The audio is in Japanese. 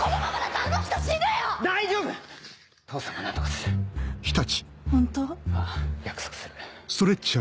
ああ約束する。